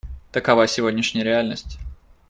Такова сегодняшняя реальность.